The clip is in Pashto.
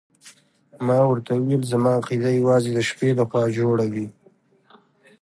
ما ورته وویل زما عقیده یوازې د شپې لخوا جوړه وي.